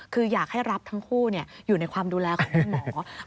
คืออยากให้รับทั้งคู่อยู่ในความดูแลของคุณหมอ